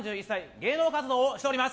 芸能活動をしております。